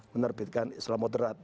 menerbitkan islam moderat